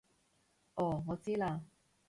哦我知喇